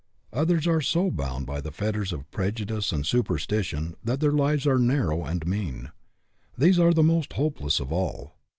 Others are so bound by the fet ters of prejudice and superstition that their lives are narrow and mean. These are the most hopeless of all.